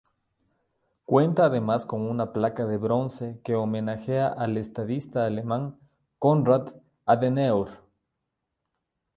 Cuenta además con una placa de bronce que homenajea al estadista alemán Konrad Adenauer.